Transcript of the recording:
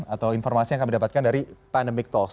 atau informasi yang kami dapatkan dari pandemic talks